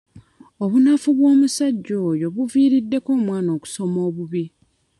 Obunafu bw'omusajja oyo buviiriddeko omwana okusoma obubi.